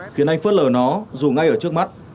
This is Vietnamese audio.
khiến anh phớt lờ nó dù ngay ở trước mắt